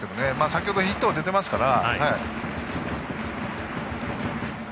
先ほど、ヒット出ていますから。